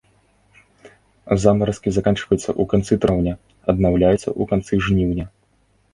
Замаразкі заканчваюцца ў канцы траўня, аднаўляюцца ў канцы жніўня.